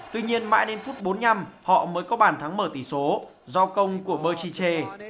tuy nhiên mãi đến phút bốn mươi năm họ mới có bàn thắng mở tỷ số do công của berchi